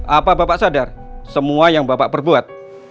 apa bapak sadar semua yang bapak perbuat